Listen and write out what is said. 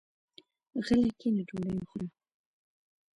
غلی کېنه ډوډۍ وخوره.